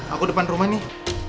aku depan rumah nih